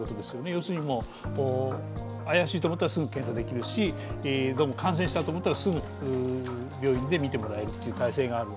要するに、怪しいと思ったらすぐ検査できるし、感染したと思ったら、すぐ病院で診てもらえる体制がある。